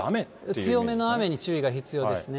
強めの雨に注意が必要ですね。